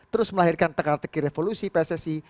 terus melahirkan tekan tekir revolusi pssi